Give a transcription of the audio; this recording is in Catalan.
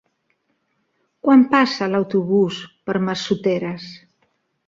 Quan passa l'autobús per Massoteres?